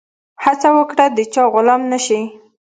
هڅه وکړه د چا غلام نه سي.